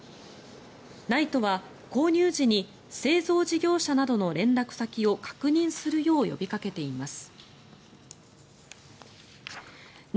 ＮＩＴＥは購入時に製造事業者などの連絡先を確認するよう呼びかけています。